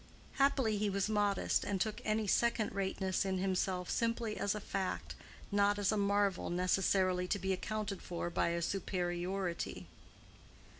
Happily he was modest, and took any second rateness in himself simply as a fact, not as a marvel necessarily to be accounted for by a superiority.